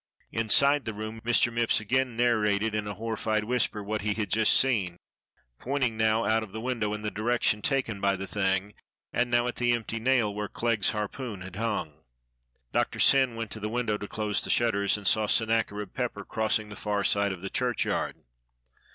Inside the room Mr. Mipps again narrated in a horrified whisper what he had just seen, pointing now out of the window in the direction taken by the thing and now at the empty nail where Clegg's harpoon had hung. Doctor Syn went to the window to close the shutters and saw Sennacherib Pepper crossing the far side of the churchyard.